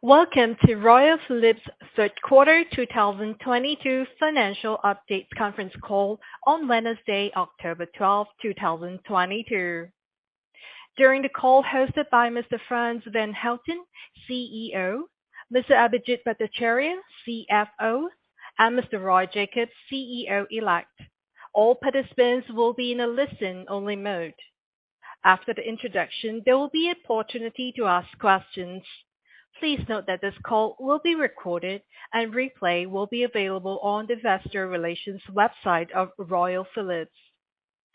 Welcome to Royal Philips Q3 2022 financial update conference call on Wednesday, October 12, 2022. During the call hosted by Mr. Frans van Houten, CEO, Mr. Abhijit Bhattacharya, CFO, and Mr. Roy Jakobs, CEO-elect, all participants will be in a listen-only mode. After the introduction, there will be opportunity to ask questions. Please note that this call will be recorded and replay will be available on the investor relations website of Royal Philips.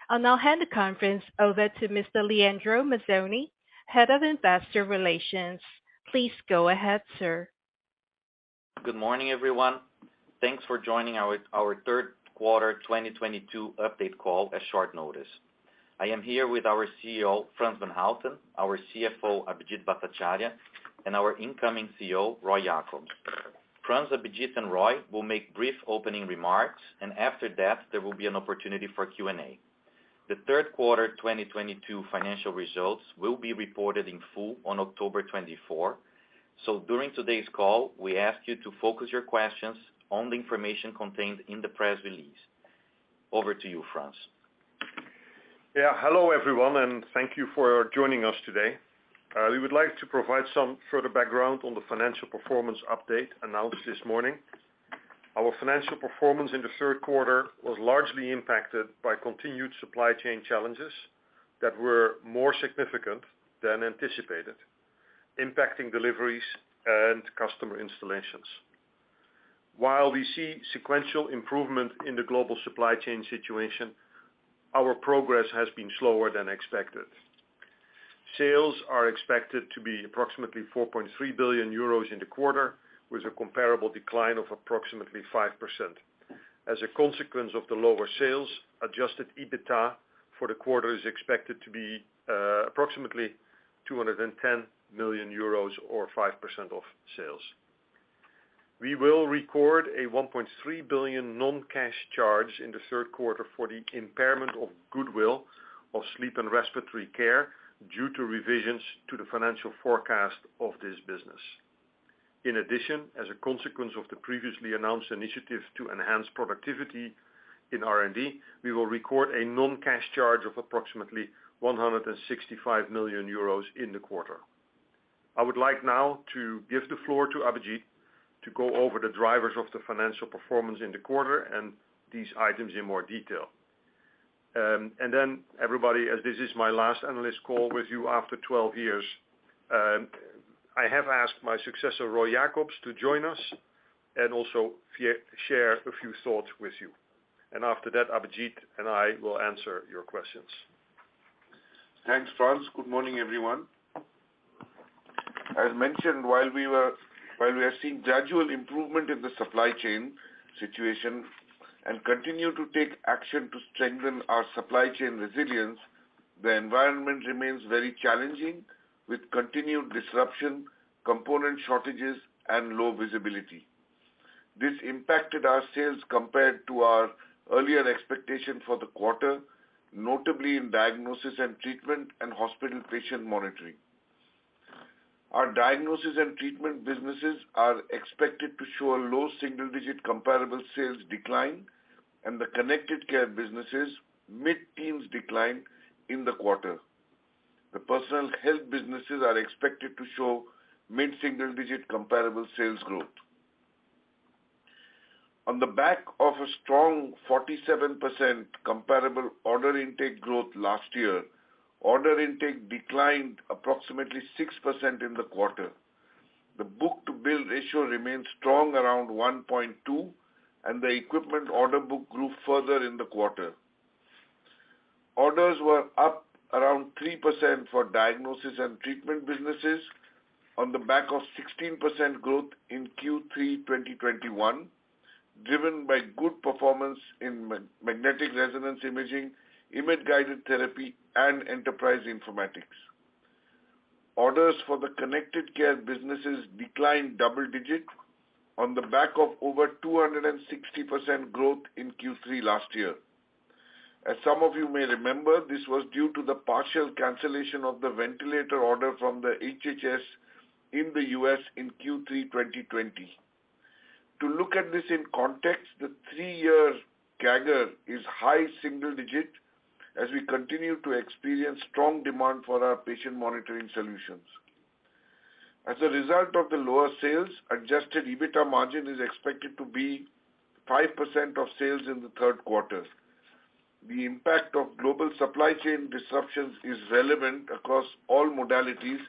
I'll now hand the conference over to Mr. Leandro Mazzoni, Head of Investor Relations. Please go ahead, sir. Good morning, everyone. Thanks for joining our Q3 2022 update call at short notice. I am here with our CEO, Frans van Houten, our CFO, Abhijit Bhattacharya, and our incoming CEO, Roy Jakobs. Frans, Abhijit and Roy will make brief opening remarks, and after that there will be an opportunity for Q&A. The Q3 2022 financial results will be reported in full on October 24. During today's call, we ask you to focus your questions on the information contained in the press release. Over to you, Frans. Yeah, hello everyone, and thank you for joining us today. We would like to provide some further background on the financial performance update announced this morning. Our financial performance in the Q3 was largely impacted by continued supply chain challenges that were more significant than anticipated, impacting deliveries and customer installations. While we see sequential improvement in the global supply chain situation, our progress has been slower than expected. Sales are expected to be approximately 4.3 billion euros in the quarter, with a comparable decline of approximately 5%. As a consequence of the lower sales, adjusted EBITA for the quarter is expected to be approximately 210 million euros or 5% of sales. We will record a 1.3 billion non-cash charge in the Q3 for the impairment of goodwill of sleep and respiratory care due to revisions to the financial forecast of this business. In addition, as a consequence of the previously announced initiative to enhance productivity in R&D, we will record a non-cash charge of approximately 165 million euros in the quarter. I would like now to give the floor to Abhijit to go over the drivers of the financial performance in the quarter and these items in more detail. Everybody, as this is my last analyst call with you after 12 years, I have asked my successor, Roy Jakobs, to join us and also share a few thoughts with you. After that, Abhijit and I will answer your questions. Thanks, Frans. Good morning, everyone. As mentioned, while we are seeing gradual improvement in the supply chain situation and continue to take action to strengthen our supply chain resilience, the environment remains very challenging with continued disruption, component shortages and low visibility. This impacted our sales compared to our earlier expectation for the quarter, notably in Diagnosis & Treatment and hospital Patient Monitoring. Our Diagnosis & Treatment businesses are expected to show a low single-digit comparable sales decline and the Connected Care businesses mid-teens decline in the quarter. The Personal Health businesses are expected to show mid-single-digit comparable sales growth. On the back of a strong 47% comparable order intake growth last year, order intake declined approximately 6% in the quarter. The book-to-bill ratio remains strong around $1.2, and the equipment order book grew further in the quarter. Orders were up around 3% for Diagnosis & Treatment businesses on the back of 16% growth in Q3 2021, driven by good performance in magnetic resonance imaging, image-guided therapy and enterprise informatics. Orders for the Connected Care businesses declined double digit on the back of over 260% growth in Q3 last year. As some of you may remember, this was due to the partial cancellation of the ventilator order from the HHS in the U.S. in Q3 2020. To look at this in context, the three year CAGR is high single digit as we continue to experience strong demand for our patient monitoring solutions. As a result of the lower sales, adjusted EBITA margin is expected to be 5% of sales in the Q3. The impact of global supply chain disruptions is relevant across all modalities,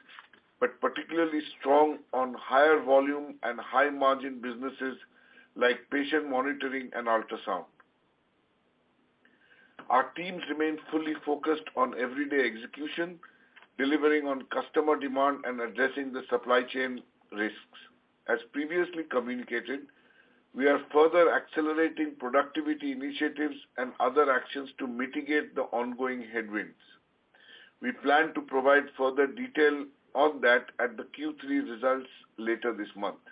but particularly strong on higher volume and high margin businesses like patient monitoring and ultrasound. Our teams remain fully focused on everyday execution, delivering on customer demand and addressing the supply chain risks. As previously communicated, we are further accelerating productivity initiatives and other actions to mitigate the ongoing headwinds. We plan to provide further detail on that at the Q3 results later this month.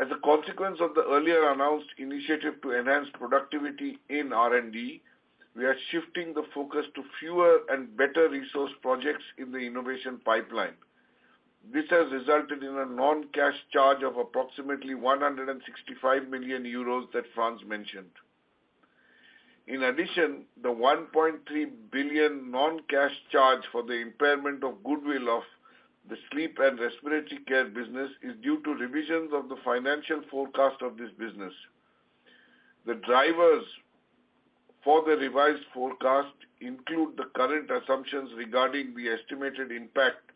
As a consequence of the earlier announced initiative to enhance productivity in R&D, we are shifting the focus to fewer and better resource projects in the innovation pipeline. This has resulted in a non-cash charge of approximately 165 million euros that Frans mentioned. In addition, the 1.3 billion non-cash charge for the impairment of goodwill of the sleep and respiratory care business is due to revisions of the financial forecast of this business. The drivers for the revised forecast include the current assumptions regarding the estimated impact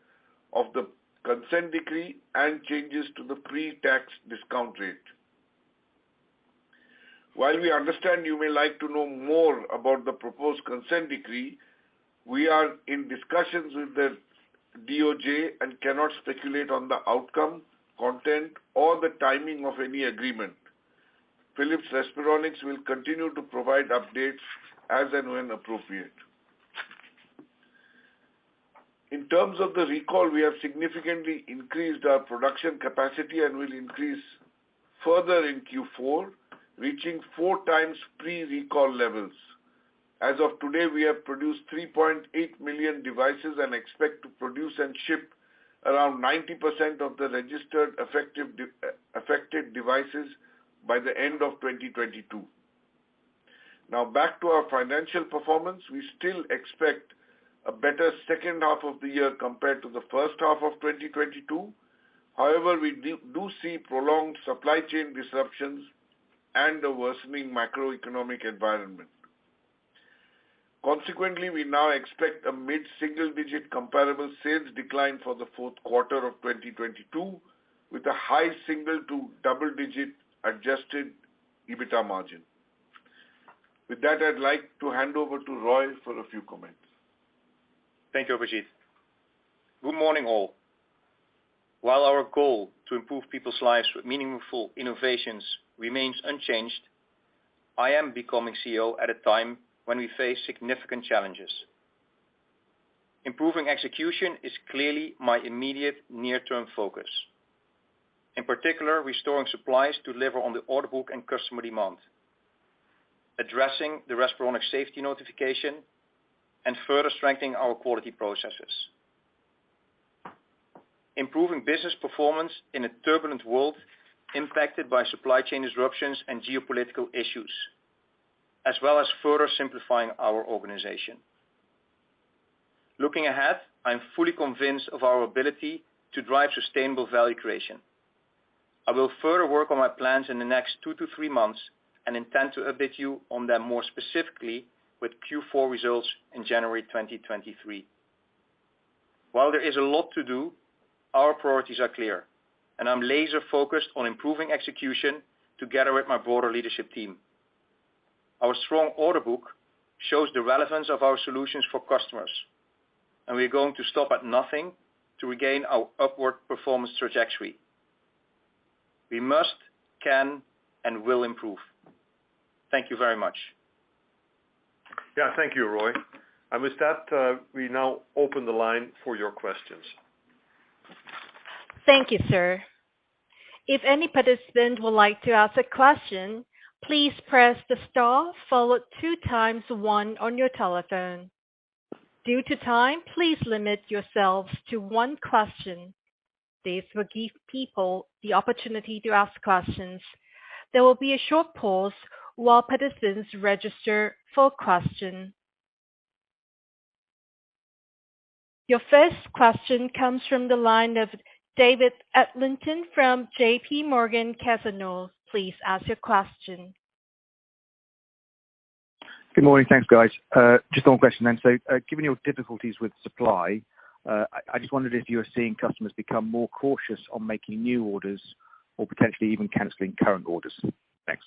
of the consent decree and changes to the pre-tax discount rate. While we understand you may like to know more about the proposed consent decree, we are in discussions with the DOJ and cannot speculate on the outcome, content, or the timing of any agreement. Philips Respironics will continue to provide updates as and when appropriate. In terms of the recall, we have significantly increased our production capacity and will increase further in Q4, reaching four times pre-recall levels. As of today, we have produced 3.8 million devices and expect to produce and ship around 90% of the registered affected devices by the end of 2022. Now back to our financial performance. We still expect a better H2 of the year compared to the H1 of 2022. However, we do see prolonged supply chain disruptions and a worsening macroeconomic environment. Consequently, we now expect a mid-single-digit comparable sales decline for the Q4 of 2022 with a high single- to double-digit adjusted EBITA margin. With that, I'd like to hand over to Roy for a few comments. Thank you, Abhijit. Good morning, all. While our goal to improve people's lives with meaningful innovations remains unchanged, I am becoming CEO at a time when we face significant challenges. Improving execution is clearly my immediate near-term focus. In particular, restoring supplies to deliver on the order book and customer demand. Addressing the Respironics safety notification and further strengthening our quality processes. Improving business performance in a turbulent world impacted by supply chain disruptions and geopolitical issues, as well as further simplifying our organization. Looking ahead, I am fully convinced of our ability to drive sustainable value creation. I will further work on my plans in the next two-three months and intend to update you on them more specifically with Q4 results in January 2023. While there is a lot to do, our priorities are clear, and I'm laser-focused on improving execution together with my broader leadership team. Our strong order book shows the relevance of our solutions for customers, and we are going to stop at nothing to regain our upward performance trajectory. We must, can, and will improve. Thank you very much. Yeah, thank you, Roy. With that, we now open the line for your questions. Thank you, sir. If any participant would like to ask a question, please press the star followed two times one on your telephone. Due to time, please limit yourselves to one question. This will give people the opportunity to ask questions. There will be a short pause while participants register for question. Your first question comes from the line of David Adlington from JPMorgan Cazenove. Please ask your question. Good morning. Thanks, guys. Just one question then. Given your difficulties with supply, I just wondered if you are seeing customers become more cautious on making new orders or potentially even canceling current orders. Thanks.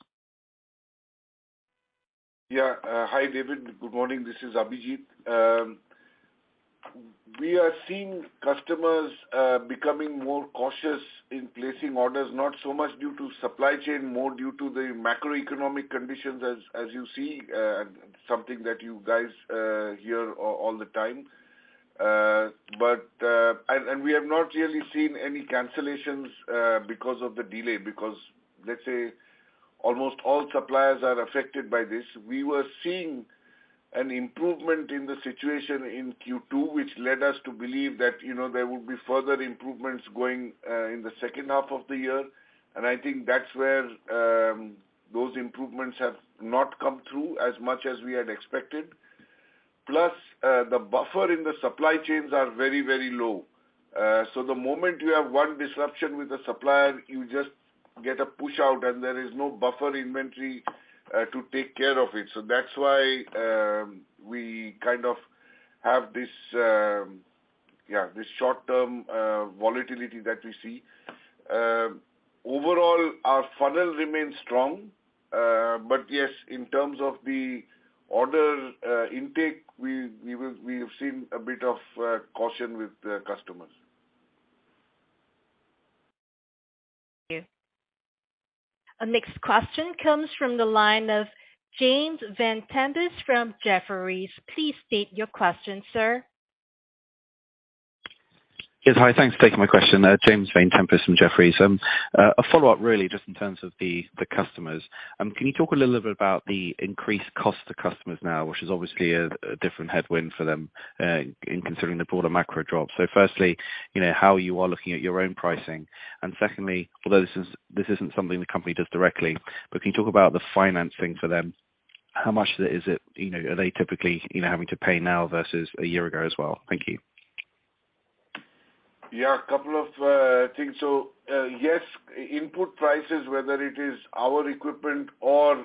Yeah. Hi, David. Good morning. This is Abhijit. We are seeing customers becoming more cautious in placing orders, not so much due to supply chain, more due to the macroeconomic conditions as you see something that you guys hear all the time. But we have not really seen any cancellations because of the delay, because let's say almost all suppliers are affected by this. We were seeing an improvement in the situation in Q2, which led us to believe that, you know, there will be further improvements going in the H2 of the year. I think that's where those improvements have not come through as much as we had expected. Plus, the buffer in the supply chains are very, very low. The moment you have one disruption with the supplier, you just get a push-out, and there is no buffer inventory to take care of it. That's why we kind of have this short-term volatility that we see. Overall, our funnel remains strong. Yes, in terms of the order intake, we have seen a bit of caution with the customers. Thank you. Our next question comes from the line of James Vane-Tempest from Jefferies. Please state your question, sir. Yes. Hi. Thanks for taking my question. James Vane-Tempest from Jefferies. A follow-up, really, just in terms of the customers. Can you talk a little bit about the increased cost to customers now, which is obviously a different headwind for them in considering the broader macro drop. Firstly, you know, how you are looking at your own pricing. Secondly, although this isn't something the company does directly, but can you talk about the financing for them? How much of it is it, you know, are they typically, you know, having to pay now versus a year ago as well? Thank you. Yeah. A couple of things. Yes, input prices, whether it is our equipment or,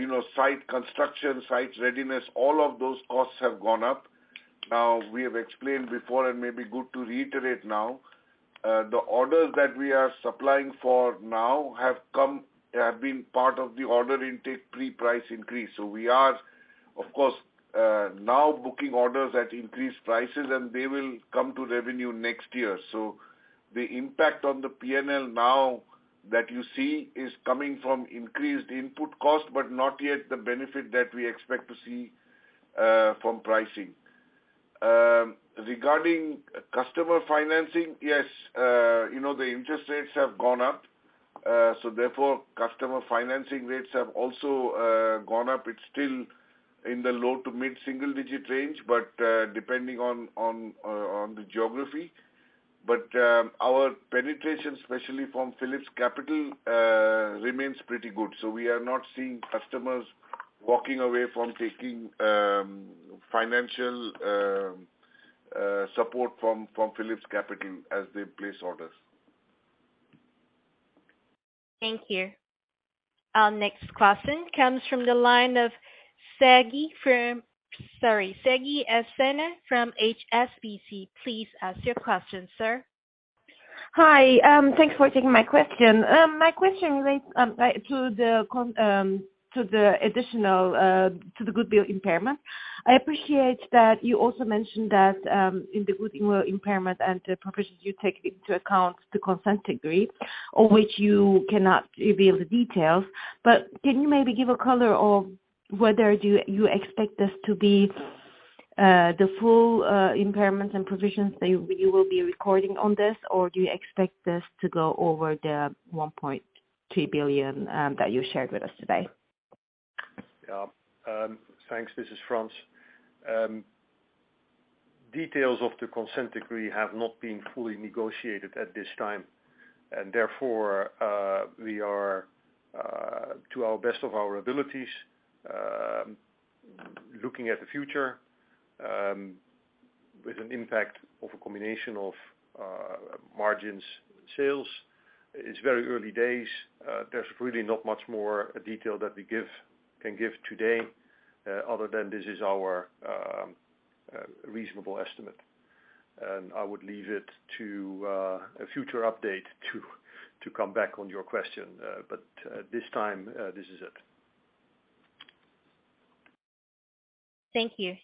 you know, site construction, site readiness, all of those costs have gone up. We have explained before, and it may be good to reiterate now, the orders that we are supplying for now have been part of the order intake pre-price increase. We are, of course, now booking orders at increased prices, and they will come to revenue next year. The impact on the PNL now that you see is coming from increased input cost, but not yet the benefit that we expect to see from pricing. Regarding customer financing, yes, you know, the interest rates have gone up, so therefore, customer financing rates have also gone up. It's still in the low to mid-single digit range, but depending on the geography. Our penetration, especially from Philips Capital, remains pretty good. We are not seeing customers walking away from taking financial support from Philips Capital as they place orders. Thank you. Our next question comes from the line of Sezgi Oezener from HSBC. Please ask your question, sir. Hi. Thanks for taking my question. My question relates to the additional to the goodwill impairment. I appreciate that you also mentioned that in the goodwill impairment and the provisions you take into account the consent decree, on which you cannot reveal the details. Can you maybe give a color of whether you expect this to be the full impairment and provisions that you will be recording on this? Or do you expect this to go over the 1.2 billion that you shared with us today? Yeah. Thanks. This is Frans van Houten. Details of the consent decree have not been fully negotiated at this time. Therefore, we are, to the best of our abilities, looking at the future with an impact of a combination of margins, sales. It's very early days. There's really not much more detail that we can give today, other than this is our reasonable estimate. I would leave it to a future update to come back on your question. This time, this is it. Thank you.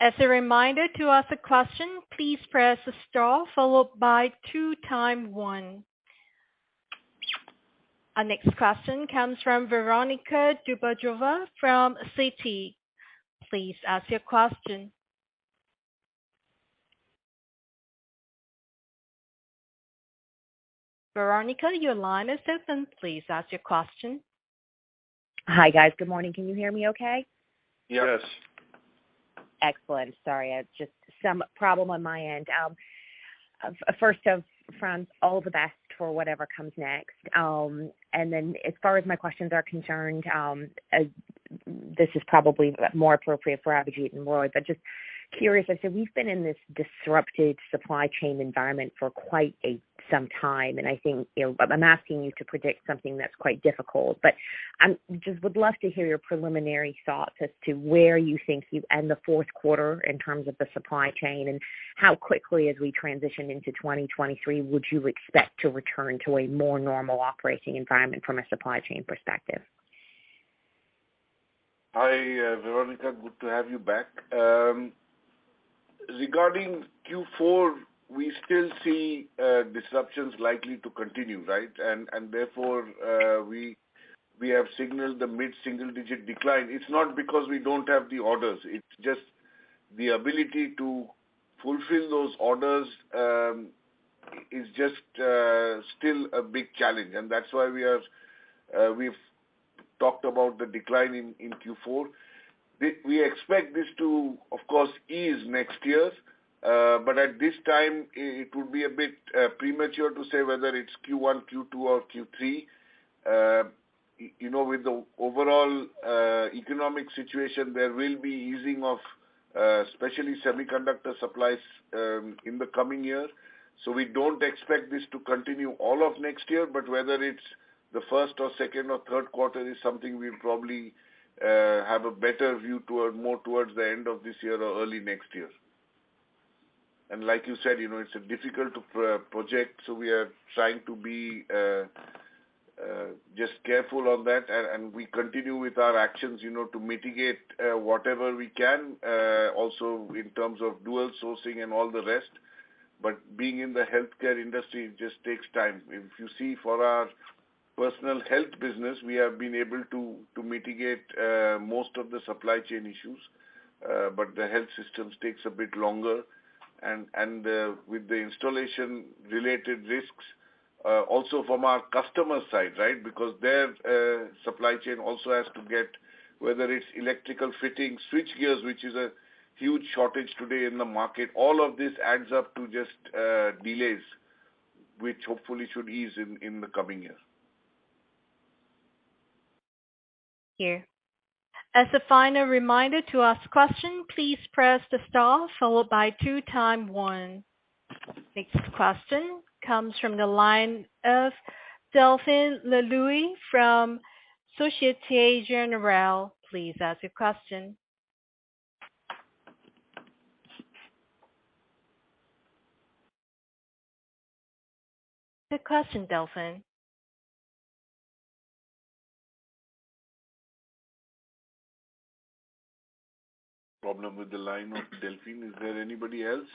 As a reminder, to ask a question, please press star, then one. Our next question comes from Veronika Dubajova from Citi. Please ask your question. Veronika, your line is open. Please ask your question. Hi, guys. Good morning. Can you hear me okay? Yes. Excellent. Sorry. Some problem on my end. First, Frans, all the best for whatever comes next. As far as my questions are concerned, this is probably more appropriate for Abhijit and Roy. Just curious, as we've been in this disrupted supply chain environment for quite some time, and I think, you know, I'm asking you to predict something that's quite difficult. Just would love to hear your preliminary thoughts as to where you think you end the Q4 in terms of the supply chain and how quickly, as we transition into 2023, would you expect to return to a more normal operating environment from a supply chain perspective? Hi, Veronika. Good to have you back. Regarding Q4, we still see disruptions likely to continue, right? Therefore, we have signaled the mid-single digit decline. It's not because we don't have the orders. It's just the ability to fulfill those orders is just still a big challenge. That's why we've talked about the decline in Q4. We expect this to, of course, ease next year. At this time, it would be a bit premature to say whether it's Q1, Q2, or Q3. You know, with the overall economic situation, there will be easing of especially semiconductor supplies in the coming year. We don't expect this to continue all of next year, but whether it's the first or second or Q3 is something we'll probably have a better view toward, more towards the end of this year or early next year. Like you said, you know, it's difficult to project, so we are trying to be just careful on that. We continue with our actions, you know, to mitigate whatever we can, also in terms of dual sourcing and all the rest. Being in the healthcare industry, it just takes time. If you see for our Personal Health business, we have been able to mitigate most of the supply chain issues, but the Health Systems takes a bit longer and with the installation-related risks, also from our customer side, right? Because their supply chain also has to get whether it's electrical fitting, switchgear, which is a huge shortage today in the market. All of this adds up to just delays, which hopefully should ease in the coming year. Thank you. As a final reminder to ask question, please press the star followed by 21. Next question comes from the line of Delphine Le Louët from Société Générale. Please ask your question. Good question, Delphine. Problem with the line of Delphine. Is there anybody else,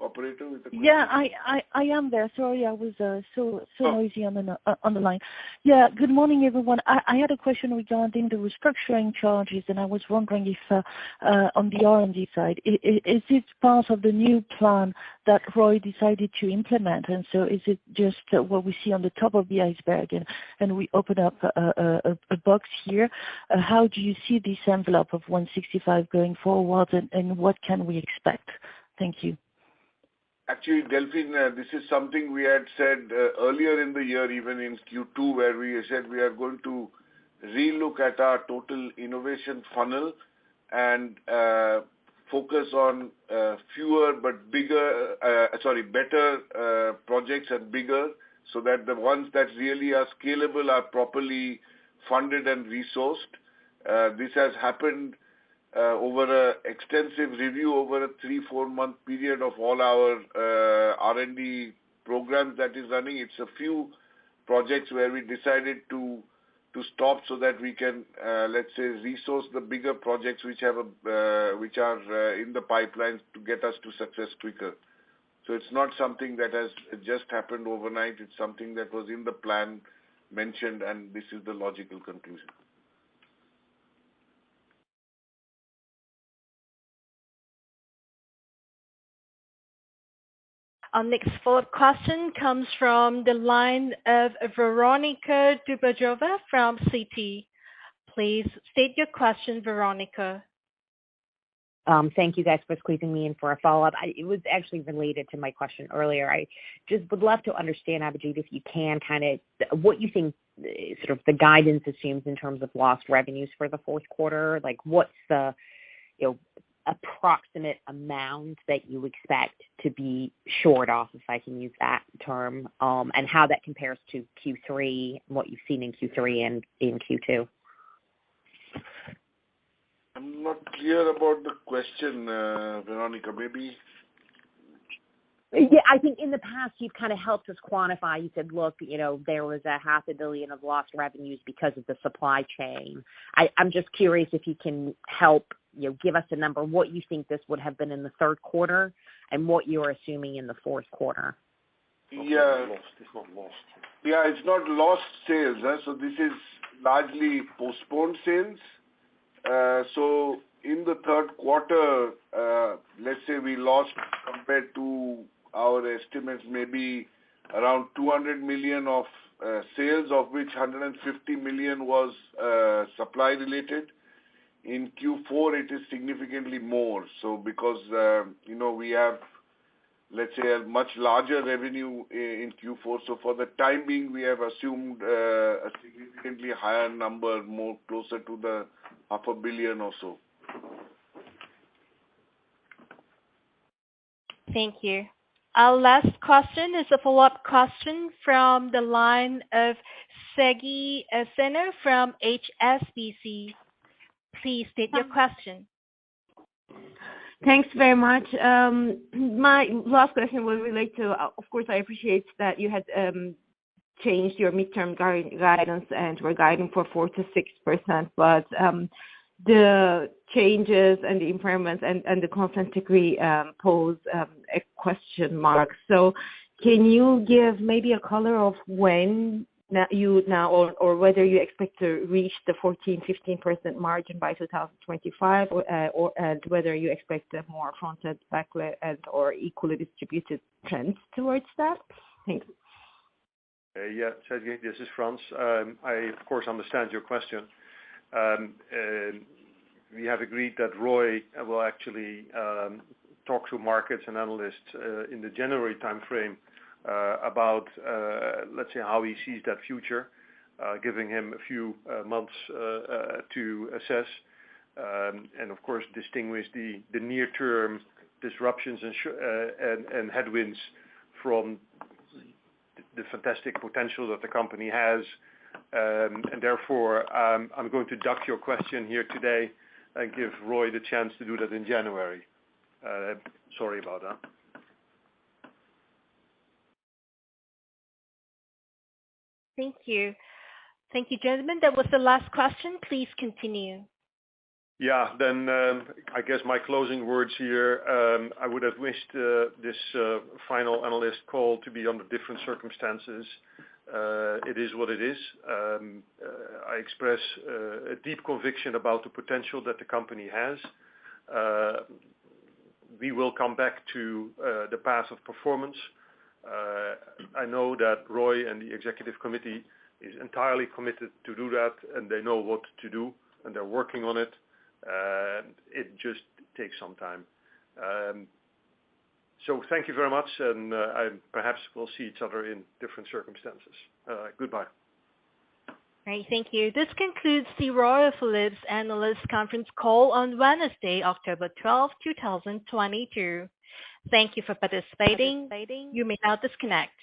operator with a question? Yeah, I am there. Sorry, I was so noisy on the line. Yeah, good morning, everyone. I had a question regarding the restructuring charges, and I was wondering if, on the R&D side, is this part of the new plan that Roy decided to implement? Is it just what we see on the top of the iceberg and we open up a box here? How do you see this envelope of 165 going forward, and what can we expect? Thank you. Actually, Delphine, this is something we had said earlier in the year, even in Q2, where we said we are going to re-look at our total innovation funnel and focus on fewer but bigger, sorry, better projects and bigger, so that the ones that really are scalable are properly funded and resourced. This has happened over an extensive review over a three-four month period of all our R&D programs that are running. It's a few projects where we decided to stop so that we can, let's say, resource the bigger projects which are in the pipelines to get us to success quicker. It's not something that has just happened overnight. It's something that was in the plan mentioned, and this is the logical conclusion. Our next follow-up question comes from the line of Veronika Dubajova from Citi. Please state your question, Veronika. Thank you guys for squeezing me in for a follow-up. It was actually related to my question earlier. I just would love to understand, Abhijit, if you can, kinda, what you think sort of the guidance assumes in terms of lost revenues for the Q4. Like, what's the, you know, approximate amount that you expect to be shored off, if I can use that term, and how that compares to Q3, what you've seen in Q3 and in Q2? I'm not clear about the question, Veronika. Maybe. Yeah, I think in the past, you've kinda helped us quantify. You said, "Look, you know, there was half a billion of lost revenues because of the supply chain." I'm just curious if you can help, you know, give us a number, what you think this would have been in the Q3 and what you're assuming in the Q4? Yeah. It's not lost. Yeah, it's not lost sales. This is largely postponed sales. In the Q3, let's say we lost compared to our estimates, maybe around 200 million of sales, of which 150 million was supply related. In Q4, it is significantly more. Because, you know, we have, let's say a much larger revenue in Q4. For the time being, we have assumed a significantly higher number, more closer to the half a billion or so. Thank you. Our last question is a follow-up question from the line of Sezgi Oezener from HSBC. Please state your question. Thanks very much. My last question will relate to, of course, I appreciate that you had changed your midterm guidance and were guiding for 4%-6%. The changes and the impairments and the consent decree pose a question mark. Can you give maybe a color on whether you now expect to reach the 14%-15% margin by 2025 or whether you expect a more constant, back-loaded or equally distributed trends towards that? Thank you. Yeah. Sezgi, this is Frans. I of course understand your question. We have agreed that Roy will actually talk to markets and analysts in the January timeframe about, let's say, how he sees that future, giving him a few months to assess and of course distinguish the near-term disruptions and headwinds from the fantastic potential that the company has. Therefore, I'm going to duck your question here today and give Roy the chance to do that in January. Sorry about that. Thank you. Thank you, gentlemen. That was the last question. Please continue. Yeah. I guess my closing words here. I would have wished this final analyst call to be under different circumstances. It is what it is. I express a deep conviction about the potential that the company has. We will come back to the path of performance. I know that Roy and the executive committee is entirely committed to do that, and they know what to do, and they're working on it. It just takes some time. Thank you very much, and perhaps we'll see each other in different circumstances. Goodbye. All right. Thank you. This concludes the Royal Philips analyst conference call on Wednesday, October 12, 2022. Thank you for participating. You may now disconnect.